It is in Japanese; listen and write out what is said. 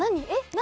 何？